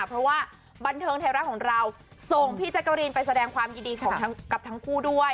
เพราะว่าบันเทิงไทยรัฐของเราส่งพี่แจ๊กกะรีนไปแสดงความยินดีของกับทั้งคู่ด้วย